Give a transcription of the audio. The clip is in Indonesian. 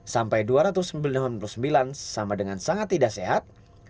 sampai dua ratus sembilan puluh sembilan sama dengan sangat tidak sehat